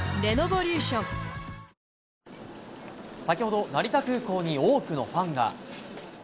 先ほど成田空港に多くのファンが。